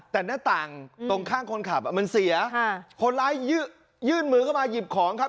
แต่หน้าต่างตรงข้างคนขับอ่ะมันเสียคนร้ายยื่นมือเข้ามาหยิบของครับ